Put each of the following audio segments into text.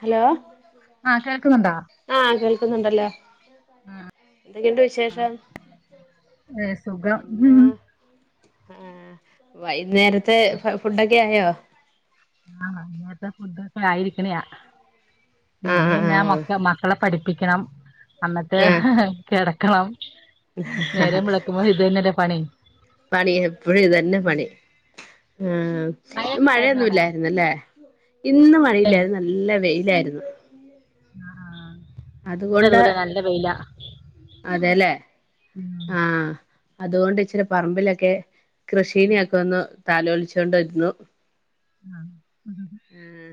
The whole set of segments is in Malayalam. ഹലോ ആഹ് കേൾക്കുന്നുണ്ടോ ആഹ് കേൾക്കുന്നുണ്ടല്ലോ [unintelligible] വിശേഷം ഏഹ് സുഖം ഉം വൈന്നേരത്തെ ഫുഡൊക്കെ ആയോ ആഹ് അങ്ങത്തെ ഫുഡൊക്കെ ആയിരിക്ക്ണ ആഹ് ആഹ് ഇനിന്നാ ആഹ് മക്ക മക്കളെ പഠി പ്പിക്കണം അമ്മക്ക് ആഹ് കെടക്കാം. നേരം വെള്ക്കുമ്പൊ ഇത് തന്നെല്ലേ പണി പണി എപ്പഴും ഇതന്നെ പണി ഉം ഇന്ന് മഴയൊക്കെ ഉണ്ടായിരുന്നോ അവിടെ മഴയൊന്നുല്ലായിര്ന്നുല്ലേ ഇന്ന് ഇല്ലേ മഴയില്ലായിര്ന്നു നല്ല വെയിലായിരുന്നു അഹ് ആഹ് ഇവിടതു അതുകൊണ്ട് പോലെ നല്ല വെയിലാ അതെല്ലേ ഉം ആഹ് അതുകൊണ്ട് ഇച്ചിരി പറമ്പിലൊക്കെ കൃഷീനെയൊക്കെ ഒന്ന് താലോൽച്ചോണ്ട്രുന്നു ഉം ഉം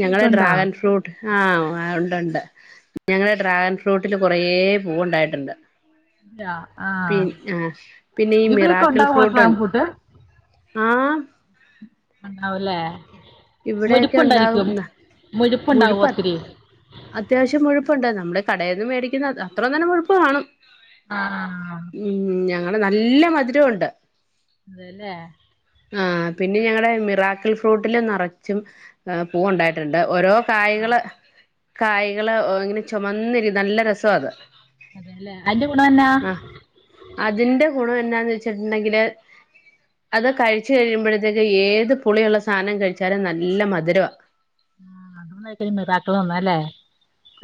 ഞങ്ങളെ ഉണ്ടോ ഡ്രാഗൺ ഫ്രൂ ആഹ് ഉണ്ട് ഉണ്ട്. ഞങ്ങളെ ഡ്രാഗൺ ഫ്രൂട്ടില് കൊറേ പൂവ് ണ്ടായിട്ടുണ്ട് ഇല്ല. പി ആഹ് ആഹ് പിന്നെ ഈ ഇവിടെയൊക്കെ മിറാക്കിൽ ഉണ്ടാവോ ഫ്രൂട്ടു ഡ്രാഗൺഫ്രൂട്ട് ആഹ് ഉണ്ടാവുല്ലേ. ഇവിടെയൊക്കെ ഉണ്ടാകും മുരിപ്പുണ്ടായിരിക്കും മുരിപ്പുണ്ടാവും മുഴുപ്പ് ഒത്തിരി അത്യാവശ്യം മുഴുപ്പുണ്ട്. നമ്മടെ കടേന്ന് മേടിക്കുന്ന അ അത്ര തന്നം മുഴുപ്പ് കാണും ആഹ് ആഹ് ഉം ഞങ്ങള് നല്ല മധുരമുണ്ട് അതെ ല്ലേ ആഹ് പിന്നെ ഞങ്ങടെ മിറാക്കിൽ ഫ്രൂട്ടിലും നറച്ചും പൂവ് ഉണ്ടായിട്ടുണ്ട് ഓരോ ആഹ് കായ്കള് കായ്കള് ഇങ്ങനെ ചൊമന്നിരി നല്ല രസമാ അത് അതെല്ലെ അയ്ന്റെ കൂടെന്നാ ആഹ് അതിന്റെ ഗുണം എന്നാന്ന് വെച്ചിട്ട്ണ്ടെങ്കില് അത് കഴിച്ചു കഴിയുമ്പോഴത്തേക്ക് ഏത് പുളിയുള്ള സാനം കഴിച്ചാലും നല്ല മധുരമാ ആഹ് അതെന്നെക്കാ ഈ മിറാക്കിൾ പർഞ്ഞാ ല്ലേ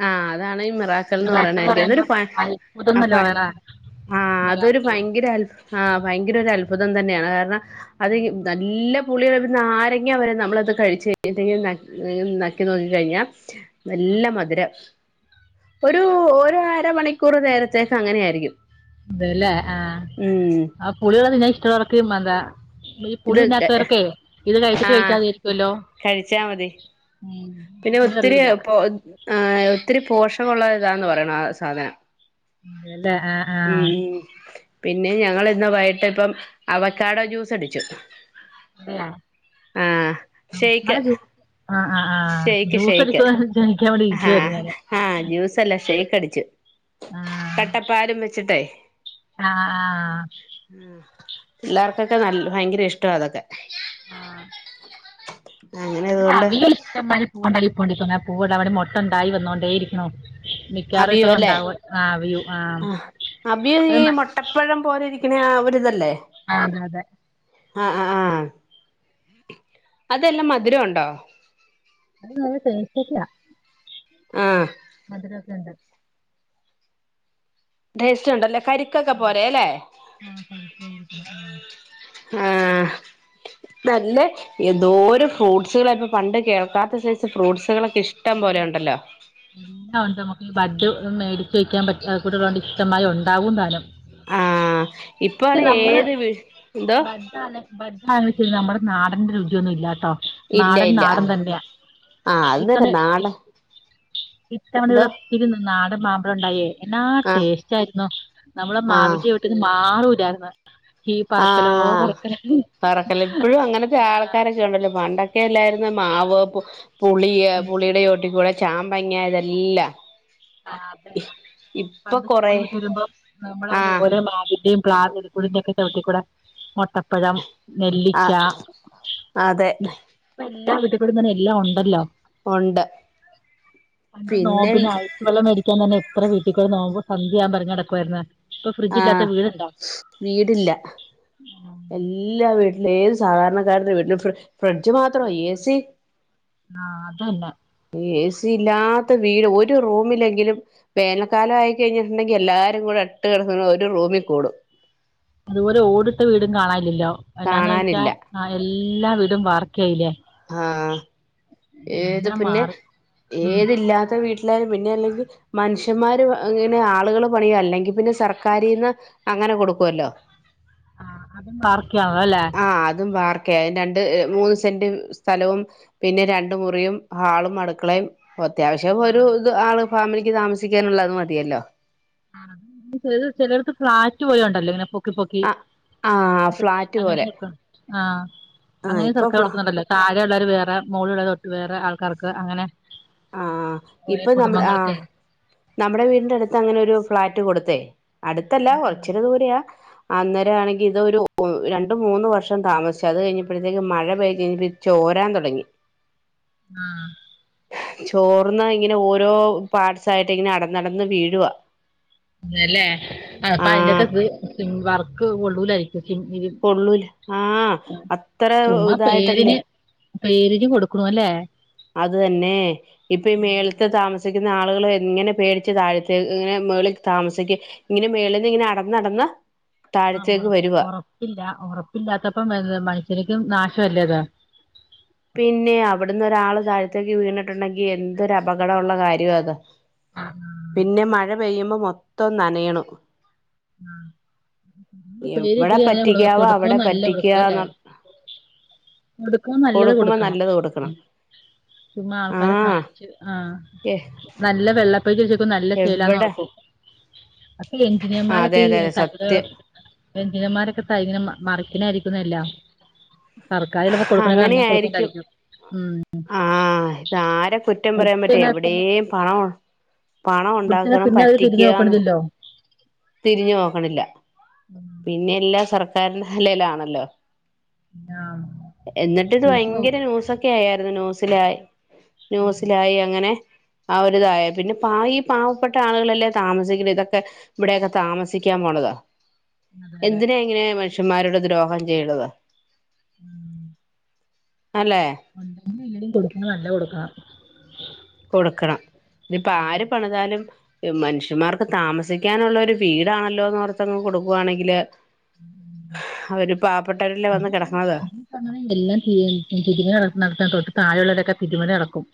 ആഹ് അതാണ് ഈ മിറാ ക്കിൾ ന്ന് മിറാക്കിൾ എന്ന് പറയ്ണായിരിക്കും അതൊരു പറയുമ്പം പ അത്ഭുതം അ പ എന്നല്ലേ പറയണേ ആഹ് അതൊരു മിറാക്കിൾ ഭയങ്കര അൽ ആഹ് ഭയങ്കര ഒരു അത്ഭുതം തന്നെയാണ് കാര്ണം അത് നല്ല പുളിയ്ള്ള നാരങ്ങ വരെ നമ്മളത് കഴിച്ച് കഴിഞ്ഞ്‌ട്ട് നക്കി നോക്കി കഴിഞ്ഞാ നല്ല മധുരം ഒരു ഒരു അരമണിക്കൂർ നേരത്തേക്ക് അങ്ങനെയായിരിക്കും ഇതല്ലേ ആഹ് ഉം ആ പുളി [unintelligible] അതാ പുളി ഇത് തിന്നാത്തോർക്കേ ഇത് കഴിച്ചിട്ട് ആഹ് കഴിച്ചാതിരിക്കൊല്ലോ കഴിച്ചാ മതി പിന്നെ ഒത്തിരി പോ ഒത്തിരി പോഷകുള്ള ഇതാന്ന് പറയണ സാധന അതെല്ലേ ആ ആ ഉം ഉം പിന്നെ ഞങ്ങള് ഇന്ന് വൈട്ട് ഇപ്പം അവക്കാടൊ ജ്യൂസ് അടിച്ചു അതെയാ ആഹ് ഉം നല്ല ഷെയ്ക്ക് ജു ആഹ് ആഹ് ആഹ് ആഹ് ഷെയ്ക്ക് ജ്യൂസ് ഷെയ്ക്ക് അടിക്കാൻ വേണ്ടി ആഹ് [unintelligible] ഞാന് ആഹ് ജ്യൂസല്ല ഷെയ്ക്ക് അടിച്ചു ആഹ് കട്ടപ്പാലും വെച്ചിട്ടെ ആഹ് ആഹ് ഉ പിള്ളേർക്കൊക്കെ നല്ല ഭയങ്കര ഇഷ്ടവാ അതൊക്കെ ആഹ് അങ്ങനെ ഇവിടെ അതുകൊണ്ട് അവിൽ ഇഷ്ടം മാരി [unintelligible] അവടെ മൊട്ട്ണ്ടായി വന്നോണ്ടേ ഇരിക്ക്ണു. മിക്കാറും അവിയു അല്ലേ ഇപ്പതുണ്ടാവ. ആഹ് വ്യൂ ആഹ് അട്ടപ്പഴം പോലിരിക്ക്ണെ ആ ഒരിതല്ലേ? ആഹ് അതെ അതെ. ആഹ് ആഹ് ആഹ് അതെല്ലാം മധുര ഉണ്ടോ? അത് നല്ല ടേസ്റ്റൊക്ക്യാ. ആഹ്. മധുരൊക്കെണ്ട്. ടേസ്റ്റുണ്ടല്ലേ? കരിക്കൊക്കെ പോലെല്ലേ? ആ കരിക്കുമായിരിക്കണ ആ ആഹ് നല്ല എന്തോര് ഫ്രൂട്ട്സ്കളാ ഇപ്പൊ പണ്ട് കേൾക്കാത്ത സൈസ് ഫ്രൂട്ട്സുകളൊക്കെ ഇഷ്ടം പോലെ ഉണ്ടല്ലോ. [unintelligible] ബഡ് മേടിച്ച് വെക്കാൻ പറ്റ്ന്നകൂടെള്ളോണ്ട് ഇഷ്ടമായി ഉണ്ടാവും താനും. ആഹ് പക്ഷെ ഇപ്പാണെ ഏത് വിസ്‌ എന്തോ? ബഡ് [unintelligible] നമ്മടെ നാടന്റെ രുചിയൊന്നുല്ലാട്ടോ. ഇല്ല നാടൻ ഇല്ല നാടൻ ആഹ് തന്ന്യാ ആഹ് അത് തന്നെ ഇപ്പത് നാടൻ ഇത്തവണ എന്തോ [unintelligible] നാടൻ മാമ്പഴൊണ്ടായേ എന്നാ ആഹ് ടേസ്റ്റായിരുന്നു. നമ്മളെ ആഹ് മാവിന്റെ ചോട്ടി പിന്നെ മാറൂലാര്ന്ന്. ആഹ് പറക്കല്ല് ഇപ്പഴും അങ്ങനത്തെ ആഹ് ആൾക്കാരൊക്കെണ്ടല്ലെ പണ്ടൊക്കെ ക്കെല്ലായിര്ന്ന് മാവ്, പുളി, പുളിടെ ചോട്ടി കൂടെ ചാമ്പങ്ങ ഇതെല്ലാം. ആഹ് അതേ ഇപ്പൊ പണ്ട് സ്കൂൾ കൊറേ വിട്ട് വരുമ്പോ നമ്മള് അങ്ങനെ ആഹ് ഓരോ മാവിന്റേം [unintelligible] ചോട്ടി കൂടെ. മൊട്ടപ്പഴം, നെല്ലിക്ക. ആഹ് അതെ ഇപ്പെല്ലാ വീട്ടിക്കൂടി തന്നെ എല്ലാം ഒണ്ടല്ലോ ഉണ്ട് പണ്ട് പിന്നെ നോമ്പിനാ ച്ചിരി വെള്ളം മേടിക്കാൻ തന്നെ എത്ര വീട്ടിക്കൂടെ നോമ്പ് സന്ധ്യയാവുമ്പൊ എറങ്ങി നടക്കുവായിര്ന്ന്. ആഹ് വീടില്ല. എല്ലാ വീട്ടിലും ഏത് സാധാരണക്കാര്ടെ വീട്ടിലും ഫ്രി ഫ്രിഡ്ജ് മാത്രോ എ സി. ആഹ് അതന്നെ എ സി ഇല്ലാത്ത വീട് ഒരു റൂമിലെങ്കിലും. വേനക്കാലായി കയ്ഞ്ഞിട്ടുണ്ടെങ്കി എല്ലാരും കൂടെ അട്ടി കിട ഒരു റൂമിൽ കൂടും. അതുപോലെ ഓടിട്ട വീടും കാണാഇല്ലല്ലോ എന്നാന്ന് വെച്ചാ കാണാനില്ല ആഹ് എല്ലാ വീടും വാർക്കായിലെ. ആഹ് ഏത് പിന്നെ മാറി ഉം ഏതില്ലാത്ത ത്തെ വീട്ടിലായും പിന്നെ അല്ലെങ്കിൽ മനുഷ്യന്മാര് ഇങ്ങനെ ആളുകൾ പണിയോ അല്ലെങ്കി പിന്നെ സർക്കാരിന്ന് അങ്ങനെ കൊടുക്കുവല്ലോ. ആഹ് അതും വാർക്കയാണല്ലൊ? അല്ലെ ആഹ് അതും വാർക്കയ അയ്ന് രണ്ട് മൂന്ന് സെന്റ് സ്ഥലവും പിന്നെ രണ്ട് മുറിയും ഹാളും അട്ക്കളയും. അത്യാവശ്യം ആ ഒരു ഇത് ആള് ഫാമിലിക്ക് താമസിക്കാന്ള്ള അത് മതിയല്ലോ. ആഹ് ചെലോ ചെലെയ്ട്ത്ത് ഫ്ലാറ്റ് പോലെണ്ടല്ലോ ഇങ്ങെനെ പൊ ക്കി പൊക്കി ആഹ് ആഹ് ഫ്ലാറ്റ് പോലെ [unintelligible] ആഹ് അങ്ങനെയ ഇപ്പൊ സർക്ക ഫ്ലാ കൊടുക്കുന്നുണ്ടല്ലോ താഴെള്ളവര് വേറെ മോളില്ള്ളത് വേറെ ആൾക്കാർക്ക് അങ്ങനെ. ആഹ് ഓരോ ഇപ്പൊ നമ്മള് ആഹ് കുടുംബങ്ങൾക്ക് നമ്മടെ വീടിന്റെട്ത്ത് അങ്ങനെ ഒരു ഫ്ളാറ്റ് കൊടുത്തേ. അടുത്തല്ല കൊറച്ചൊരു ദൂരയാ. അന്നേരാണെങ്കി ഇതൊരു രണ്ടു മൂന്ന് വർഷം താമസിച്ചു. അത് കഴിഞ്ഞപ്പഴത്തേക്ക് മഴ പെയ്തഴി ചോരാൻ തൊടങ്ങി. ആഹ്- ചോർന്ന് ഇങ്ങനെ ഓരോ പാട്സായിട്ട് ഇങ്ങനെ അടന്നടന്ന് വീഴുവാ. അതെല്ല അപ്പയ്ന്റെക്കെ ആഹ് ത് വർക്ക് കൊള്ളൂലായിരിക്കും. കൊള്ളൂല ആഹ് [unintelligible] അത്ര ചുമ്മാ ഇതായിട്ടല്ലേ പേരിന്- പേരിന് കൊട്ക്ക്ണു അല്ലേ? അത് തന്നെ- ഇപ്പൊ ഈ മേളത്ത താമസിക്കുന്ന ആളുകള് എങ്ങനെ പേടിച്ച് താഴെ ഇങ്ങനെ മേളിൽ താമസിക്കും. ഇങ്ങനെ മേളിൽന്ന് ഇങ്ങനെ അനടന്നടന്ന്- ആഹ് ഉറപ്പില്ല ഉറപ്പില്ലാത്തപ്പം എഹ് മനുഷ്യർക്കും നാശമല്ലേ അതാ. പിന്നെ അവിടുന്നൊരാള് താഴത്തേക്ക് വീണിട്ടുണ്ടെങ്കി എന്തൊരു അപകടമുള്ള കാര്യണത്- പിന്നെ മഴ പെയ്യുമ്പോ മൊത്തം നനയണു- ഇത് എവിടെ പേരിട്ട് അങ്ങനെ കൊടു പറ്റിക്കാവോ കൊടുക്കും അവിടെ നല്ല പറ്റിക്കാ കൊടുക്ക നല്ലത് കൊടുക്കുമ്പോ കൊടുക്കണം. നല്ലത് കൊടുക്കണം ചുമ ആൾക്കാരെ ആഹ് കാണിച്ചു ആഹ്- എ നല്ല വെള്ളപ്പൊച്ചി വെച്ചക്കും നല്ല ചേലാന്ന് എവിടെ ഉറക്കും അപ്പൊ എഞ്ചിനീയർമാരൊ- അതെ കൈ അതെ അതെ സത്യം എഞ്ചിനിയർമാരൊക്കെ കൈങ്ങനെ മറിക്കിനായിരിക്കുന്നല്ലോ- സർക്കാര് ചെല്ലപ്പാ കൊടുക്കണ അങ്ങനെ എന്നാ ആയിരിക്കും കൊടുക്കണ്ടായിരിക്കും. ഉം ആഹ് ഇതാരെ കുറ്റം പറയാൻ പറ്റും കൊട്ത്തയന പിന്നെ- എവിടെയും പണം പണം കൊടുത്ത് കയിഞ്ഞ ഉണ്ടാക്കണം പിന്നെ അവര് തിരിഞ്ഞ് പറ്റിക്കുകന്ന് നോക്കണതില്ലോ? തിരിഞ്ഞു നോക്കണില്ല ഉം പിന്നെ എല്ലാ സർക്കാരിൻ തലയിലാണല്ലോ? ആ എന്നിട്ട് ഇത് തിരിച്ചു പോകും ഭയങ്കര ന്യൂസൊക്ക- ഒക്കെ ആയിരുന്നു ന്യൂസിലായി ഉം ന്യൂസിലായി അങ്ങനെ- ആഹ് ഒരു ഇതായ പിന്നെ പ ഈ പാവപ്പെട്ട ആളുകളല്ലേ താമസിക്കണ ഇതൊക്കെ- ഇവിടെക്കെ താമസിക്കാൻ പോണത് അതെ അതെ എന്തിനാ ഇങ്ങനെ മനുഷ്യൻമാരോട് ദ്രോഹം ചെയ്യണത്. ഉം അല്ലേ നല്ല കൊടുക്കുമ്പോ നല്ലത് കൊടുക്കണം. കൊടുക്കണം ഇതിപ്പോ ആര് പണിതാലും. മനുഷ്യമാർക്ക് താമസിക്കാനുള്ള ഒരു വീടാണല്ലോന്നോർത്തങ്ങ് കൊടുക്കുവാണെങ്കില്. അവര് പാവപ്പെട്ടവരല്ലേ വന്ന് കിടക്കണത്. അങ്ങന എല്ലാം തിരുമാനം നടത്താൻ തൊട്ട് താഴെയുള്ളവരൊക്കെ തിരുമറി നടക്കും.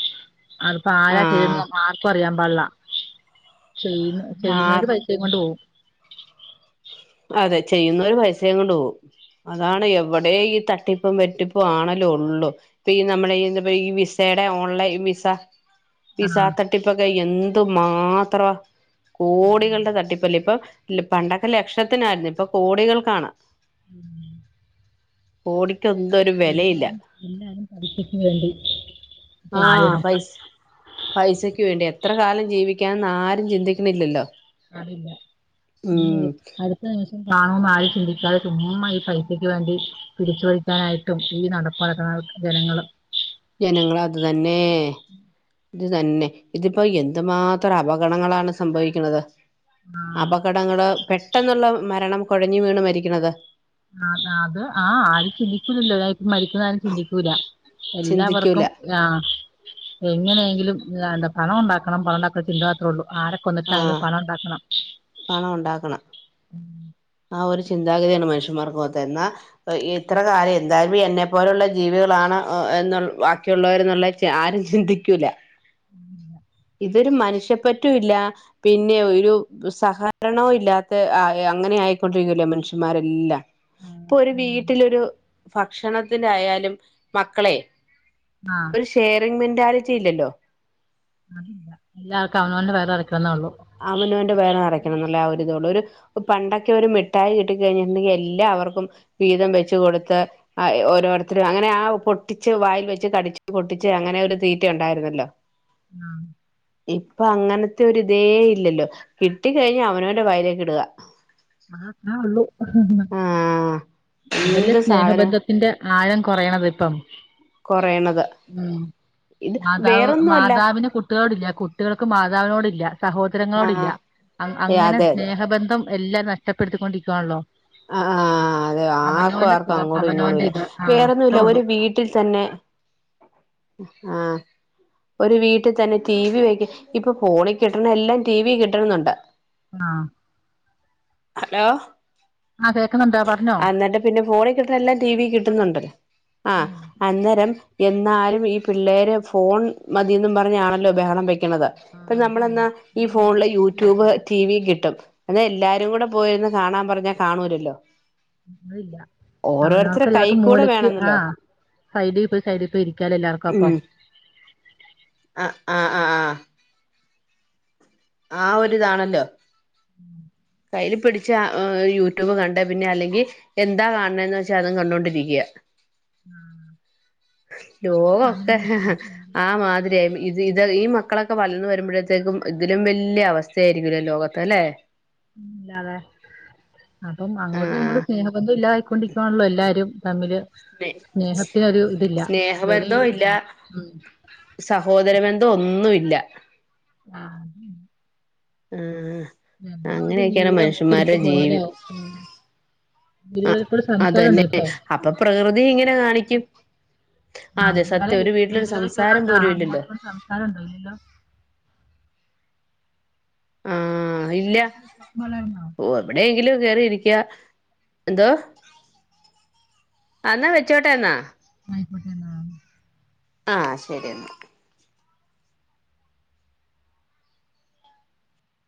അപ്പ ആരാ ആഹ് ചെയ്യുന്നത് ആർക്കും അറിയാൻ പാടില്ല ചെയ്യുന്ന ആർ ചെയ്യുന്നോരു പൈ. സ കൊണ്ട് പോവും. അതെ ചെയ്യുന്നവര് പൈസയും കൊണ്ട് പോവും. അതാണ് എവിടെം ഈ തട്ടിപ്പും വെട്ടിപ്പും ആണലും ഒള്ളു. ഇപ്പ ഈ നമ്മുടെ ഈ എന്താ പ ഈ വിസയുടെ ഓൺലൈൻ വിസ. ആ വിസാ തട്ടിപ്പൊക്കെ എന്തു മാത്ര അതെ, അതെ. കോടികളുടെ തട്ടിപ്പല്ലേ ഇപ്പൊ. ഇല്ല പണ്ടൊക്കെ ലക്ഷത്തിനായിരുന്നു ഇപ്പൊ കോടികൾക്കാണ്. ഉം കോടി. എന്തൊരു. വിലയില്ല എല്ലാരും എല്ലാരും പൈസക് വേണ്ടി. ആഹ് പായണം പൈസ് പൈസക്ക് വേണ്ടി എത്ര കാലം ജീവിക്കാന്ന് ആരും ചിന്തിക്കണില്ലല്ലോ. അതില്ല ഉം ഇനി അത്. ഉം കാണും എന്ന് ചിന്തിക്കാതെ ചുമ്മാ ഈ പൈസയ്ക്ക് വേണ്ടി. പിടിച്ചുപടിക്കാനായിട്ടും ഈ നടപ്പുനടക്കണ ജനങ്ങള്. ജനങ്ങളതു തന്നെ. ഇത് തന്നെ ഇതിപ്പോ എന്തുമാത്രം അപകടണങ്ങളാണ് സംഭവിക്കുന്നത്. അപകടങ്ങള് പെട്ടെന്നുള്ള മരണം കുഴഞ്ഞു വീണ് മരിക്കണത്. ആഹ് അത് ആഹ്‌ആരും ചിന്തിക്കുന്നില്ല. മരിക്കുന്നതാരുംചിന്തിക്കൂല ചിന്തിക്കൂല എല്ലാവർക്കും. ആഹ് എങ്ങനെയെങ്കിലും എന്താ പണം ഉണ്ടാക്കണം പണം ഉണ്ടാക്കണം എന്ന ചിന്ത മാത്രമേ ഉള്ളൂ ആരൊക്ക. കൊന്നിട്ടാണെങ്കിലും ആഹ് പണം ഉണ്ടാക്കണം. പണം ഉണ്ടാക്കണം. ആഹ് ഒരു ചിന്താഗതിയാണ് മനുഷ്യന്മാർക്ക് പോവാത്ത എന്നാ ഇത്ര കാര്യം എന്തായാലും എന്നെ പോലുള്ള ജീവികളാണ് എന്ന ബാക്കിയുള്ളവര് എന്നുള്ള ആരും ചിന്തിക്കൂലാ ഉം ഇതൊരു മനുഷ്യ പറ്റും ഇല്ല. പിന്നെ ഒരു സഹകരണോം ഇല്ലാത്തെ അയി അങ്ങനെയായി. പൊട്ടിക്കൂലേ മനുഷ്യന്മാരെല്ലാം ആ, ഇപ്പ ഒരു ഉം. വീട്ടിലൊരു ഭക്ഷണത്തിന്റെ ആയാലും മക്കളെ- ആഹ് ഒരു ഷെയറിംഗ് മെന്റാലിറ്റി ഇല്ലല്ലോ. അതില്ല എല്ലാർക്കും അവനോന്റെ വയറ് നെറക്കെന്നേ ഉള്ളൂ. ആവനോന്റെ വയറ് നെറക്കണം എന്നല്ലാ ഒരുതിള്ളു ഒരു പണ്ടൊക്കെ ഒരു മിഠായി കിട്ടി കഴിഞ്ഞിണ്ടെങ്കി എല്ലാവർക്കും വീതം വെച്ച് കൊടുത്ത് ആഹ് ഓരോരുത്തരും അങ്ങനെ ആഹ് പൊട്ടിച്ച് വായിൽ വെച്ച് കടിച്ച് പൊട്ടിച്ച് അങ്ങനെ ഒരു തീറ്റ ഉണ്ടായിരുന്നല്ലോ ആഹ് ഇപ്പൊ അങ്ങനത്തെയൊരിത് - തേ ഇല്ലല്ലോ കിട്ടിക്കഴിഞ്ഞ് അവനോന്റെ വായിലേക്ക് ഇടുക ആ അത്രയൊള്ളു ആഹ് അതെല്ലേ എന്ത് സാധനം സ്നേഹബന്ധം. തിന്റെ ആയം കൊറയണത് ഇപ്പം കൊറേണത് ഉം മാതാവ് മാതാവിന് കുട്ടിളോട്ല്ല്യ, കുട്ടികൾക്ക് മാതാവിനോട്ല്ല, സഹോദരങ്ങളോടല്ല, ആഹ് അ അങ്ങനെ അതെ അതെ സ്നേഹബന്ധം എല്ലാം നഷ്ടപ്പെടുത്തിക്കൊണ്ടിരിക്കുവാണല്ലോ. ആഹ്, ആഹ് ആ അതെ ആർക്കും ആർക്കും സുഖം അങ്ങോടും ഇങ്ങോട്ടും അവനോന്റെ ഇല്ല ഇത് ആഹ് വേറൊന്നും അത്രേ ഇല്ല, ഉള്ളൂ ഒരു വീട്ടിൽ തന്നെ ആഹ് ഒരു വീട്ടി തന്നെ ടി വി വെക്ക് ഇപ്പോ ഫോണിൽ കിട്ടണ എല്ലാം ടി വിൽ കിട്ട്ന്നൊണ്ട്. ആഹ് ഹലോ അതെ ആഹ് എന്നിട്ട് പിന്നെ ഫോണിൽ കിട്ടുന്ന എല്ലാം ടി വി കിട്ടുന്നുണ്ടല്ലോ ആഹ് ഉം അന്നേരം എന്നാലും ഈ പിള്ളേര് ഫോൺ മതിന്നും പറഞ്ഞാണല്ലോ ബഹളം വെക്കണത്. ആഹ് ഇപ്പ അത് തന്നെ നമ്മളെന്നാ ഈ മൂലക്ക് ഫോൺള്ളെ മൂലക്ക് യൂറ്റൂബ് ഇരിക്കാം ടി വി കിട്ടും അന്നാ എല്ലാരും കൂടെ പോയിരിന്ന് കാണാൻ പറഞ്ഞാ കാണൂലല്ലോ. ഒന്നുല്ല. ഓരോരുത്തരെ കൈ അവനോർക്കെല്ലാർക്ക് കൂടെ മൂലയ്ക്ക് വേണന്നല്ലോ ആഹ് സൈഡി പോയി സൈഡി പോയി ഇരിക്കാലോ എല്ലാർക്കും അപ്പം. ഉം ആഹ് ആഹ് ആഹ് ആഹ് ഒരിതാണല്ലോ ഉം കയ്യിൽ പിടിച്ചാ ഏഹ് യൂട്യൂബ് കണ്ടെ പിന്നെ അല്ലെങ്കി എന്താ കാണണേന്ന് വെച്ചാ അതും കണ്ടോണ്ടിരിക്കാ അതൊക്കെ കാണില്ല ലോവൊക്കെ ഇത്രയൊക്കെ ഉള്ളൂ ആ മാതിരിയാ [unintelligible] ഇത് ഇത് ഈ മക്കളൊക്കെ വളർന്നു വരുമ്പോഴത്തേക്കും ഇതിലും വല്ല്യ അവസ്ഥയായിരിക്കൂല്ലേ ലോകത്ത് അല്ലെ. പിന്നില്ലാതെ. അപ്പം അങ്ങോട്ടും ആഹ് ഇങ്ങോട്ടും സ്നേഹബന്ധം ഇല്ലാതായി കൊണ്ടിരിക്കുവാണല്ലോ എല്ലാരും തമ്മില് സ്നേ സ്നേഹത്തിനൊരു ഇതില്ല വിലയില്ല സ്നേഹബന്ധവും ഇല്ല സഹോദര ബെന്ധോ ഒന്നു ഇല്ല. ആഹ് ഉം ഏഹ് ഞങ്ങളൊരു ജീവിതം അങ്ങോട്ടും ഇങ്ങോട്ട് പോവല ജീവി ആകും, വീരുകളീ ആഹ് കൂടെ സംസാരം ഉണ്ടൊ അതന്നെ ഇപ്പൊ, അപ്പൊ പ്രകൃതി ഇങ്ങനെ കാണിക്കും, ആ അതെ അല്ല സത്യം ഒരു വീട്ടിലൊരു സംസാരം പോലും ഇല്ലല്ലോ, കാനണ്ടോ ഇല്ലല്ലോ, ആഹ് ഇല്ല, ഇല്ലല്ലോ എവിടെയെങ്കിലും കേയറിയിരിക്കാ എന്തോ? എന്നാ വെച്ചോട്ടെ എന്നാ, ആയിക്കോട്ടെന്ന, ആഹ് ശെരി എന്നാ,